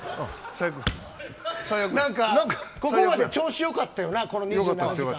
なんか、ここまで調子よかったよな２７時間。